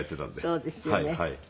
そうですよね。